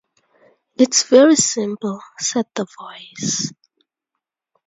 "It's very simple," said the Voice.